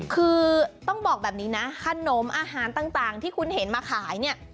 คือต้องบอกแบบนี้นะขนมอาหารต่างที่คุณเห็นมาขายเนี่ย